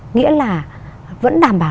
nghĩa là vẫn đảm bảo